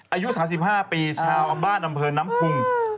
อายุ๓๕ปีชาวอำบาดดำเภอน้ำคุง